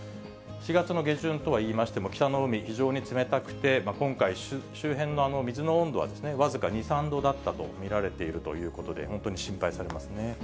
４月の下旬とはいいましても、北の海、非常に冷たくて、今回、周辺の水の温度は僅か２、３度だったと見られているということで、本当に心配されますね。